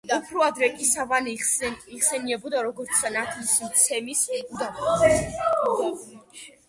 უფრო ადრე კი სავანე იხსენიებოდა, როგორც „ნათლისმცემლის უდაბნო“.